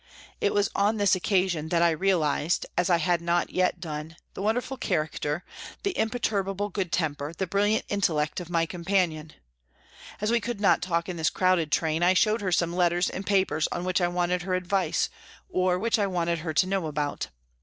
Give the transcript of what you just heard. It was on this occasion that I realised, as I had not yet done, the wonderful 204 PRISONS AND PRISONERS character, the imperturable good temper, the brilliant intellect of my companion. As we could not talk in this crowded train, I showed her some letters and papers on which I wanted her advice, or which I wanted her to know about.